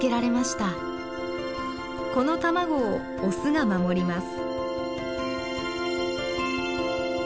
この卵をオスが守ります。